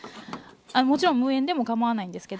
もちろん無塩でもかまわないんですけど。